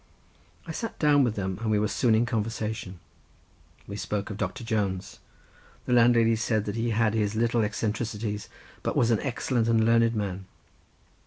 I sat down with them and we were soon in conversation. We spoke of Doctor Jones—the landlady said that he had his little eccentricities, but was an excellent and learned man.